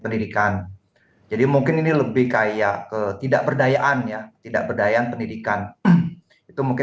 pendidikan jadi mungkin ini lebih kayak ke tidak berdayaannya tidak berdaya pendidikan itu mungkin